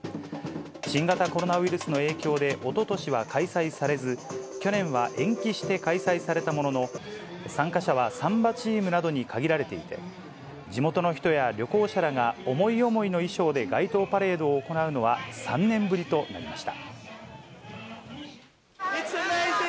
新型コロナウイルスの影響で、おととしは開催されず、去年は延期して開催されたものの、参加者はサンバチームなどに限られていて、地元の人や旅行者らが思い思いの衣装で街頭パレードを行うのは３年ぶりとなりました。